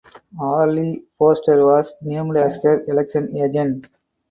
Arlene Foster was named as her election agent.